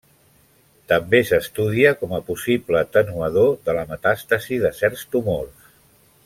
També s'estudia com a possible atenuador de la metàstasi de certs tumors.